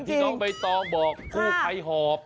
อย่างที่น้องใบต้องบอกกูภัยหอบ